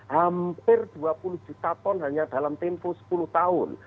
hampir dua puluh juta ton hanya dalam tempo sepuluh tahun